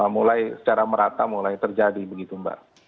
mulai secara merata mulai terjadi begitu mbak